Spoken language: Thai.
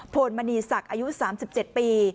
ลมณีศักดิ์อายุ๓๗ปี